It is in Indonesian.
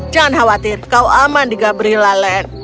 jangan khawatir kau aman di gabrila land